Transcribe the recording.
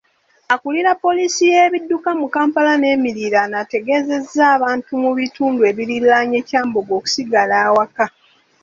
Akulira poliisi y'ebidduka mu Kampala n'emiriraano, ategeezezza abantu mu bitundu ebiriraanye Kyambogo okusigala awaka